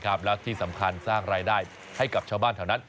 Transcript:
แล้วที่สำคัญสร้างรายได้ให้กับชาวบ้านแถวนั้น